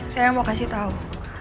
saya mau kasih tau